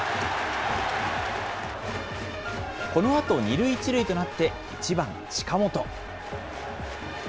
このあと二塁一塁となって１番近本。